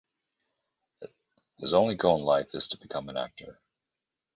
His only goal in life is to become an actor.